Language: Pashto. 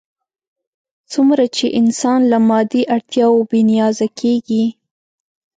څومره چې انسان له مادي اړتیاوو بې نیازه کېږي.